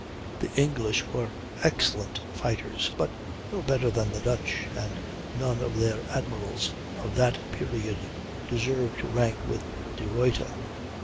The English were excellent fighters, but no better than the Dutch, and none of their admirals of that period deserve to rank with De Ruyter.